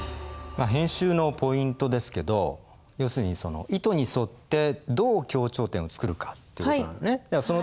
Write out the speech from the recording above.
編集のポイントですけど要するに意図に沿ってどう強調点を作るかということなんだね。